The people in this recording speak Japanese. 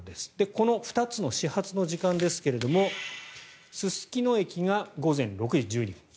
この２つの始発の時間ですがすすきの駅が午前６時１２分